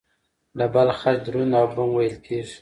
د بل خج دروند او بم وېل کېږي.